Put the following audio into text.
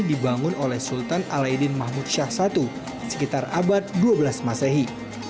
dibangun oleh sultan al aidin mahmud shah i sekitar abad dua belas masehi